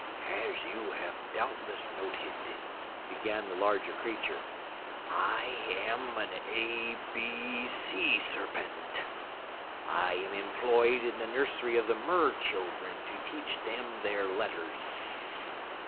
"As you have doubtless noted," began the larger creature, "I am an A B Sea Serpent. I am employed in the nursery of the Mer children to teach them their letters.